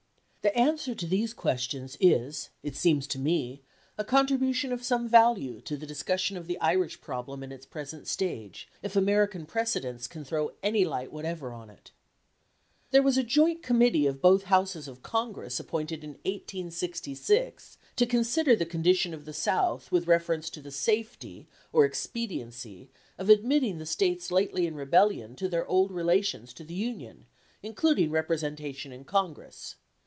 The answer to these questions is, it seems to me, a contribution of some value to the discussion of the Irish problem in its present stage, if American precedents can throw any light whatever on it. There was a Joint Committee of both Houses of Congress appointed in 1866 to consider the condition of the South with reference to the safety or expediency of admitting the States lately in rebellion to their old relations to the Union, including representation in Congress.